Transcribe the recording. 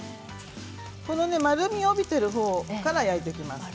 丸みを帯びているほうから焼いていきます。